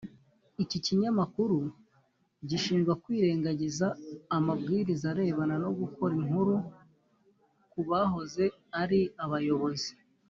Iki kinyamakuru gishinjwa kwirengagiza amabwiriza arebana no gukora inkuru ku bahoze ari abayobozi